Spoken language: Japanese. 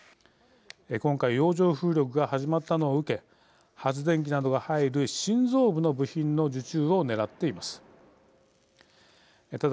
今回、洋上風力が始まったのを受け発電機などが入る心臓部の部品の受注をねらっています。